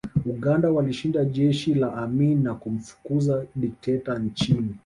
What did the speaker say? Uganda walishinda jeshi la Amin na kumfukuza dikteta nchini